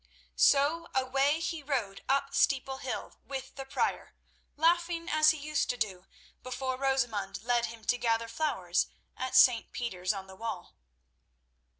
So away he rode up Steeple Hill with the Prior, laughing as he used to do before Rosamund led him to gather flowers at St. Peter's on the Wall.